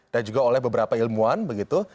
dan juga oleh beberapa ilmuwan begitu